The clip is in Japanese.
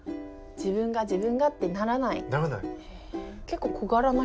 自分が自分がってならない。ならない。